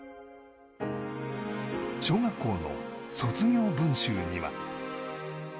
小学校の卒業文集には。